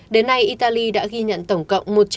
đến nay italy đã ghi nhận tổng cộng một trăm ba mươi sáu ca